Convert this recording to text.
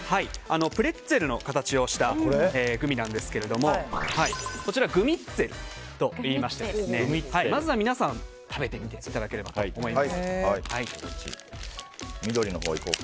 プレッツェルの形をしたグミなんですがこちらグミッツェルといいましてまずは皆さん食べてみていただければと思います。